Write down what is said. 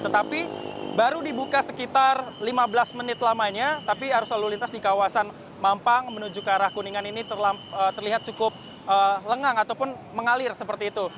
tetapi baru dibuka sekitar lima belas menit lamanya tapi arus lalu lintas di kawasan mampang menuju ke arah kuningan ini terlihat cukup lengang ataupun mengalir seperti itu